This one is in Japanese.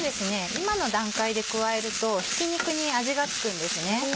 今の段階で加えるとひき肉に味が付くんですね。